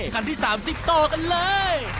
คันที่๓๐ต่อกันเลย